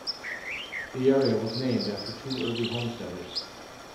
The area was named after two early homesteaders.